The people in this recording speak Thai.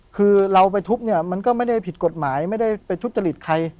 คือเราไปทุบเนี่ยมันก็ไม่ได้ผิดกฎหมายไม่ได้ไปทุจริตใคร